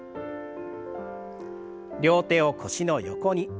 両手を腰の横に。